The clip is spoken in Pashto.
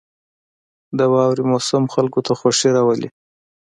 • د واورې موسم خلکو ته خوښي راولي.